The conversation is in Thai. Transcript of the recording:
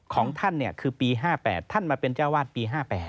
ของท่านคือปี๕๘ท่านมาเป็นเจ้าวาดปี๕๘